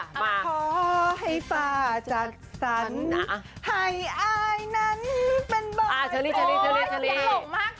ขอให้ฟ้าจักษรรให้อายนั้นเป็นบ่อย